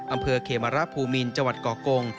อำเภอเขมรภูมินจังหวัดก่อกง